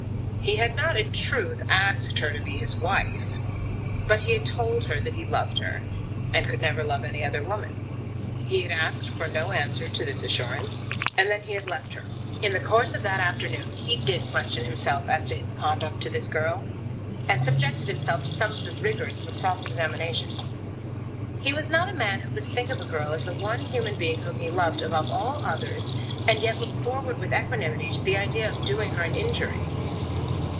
He had not, in truth, asked her to be his wife; but he had told her that he loved her, and could never love any other woman. He had asked for no answer to this assurance, and then he had left her. In the course of that afternoon he did question himself as to his conduct to this girl, and subjected himself to some of the rigours of a cross examination. He was not a man who could think of a girl as the one human being whom he loved above all others, and yet look forward with equanimity to the idea of doing her an injury.